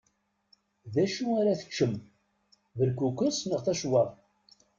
D acu ar ad teččem? Berkukes neɣ tacewwaḍṭ?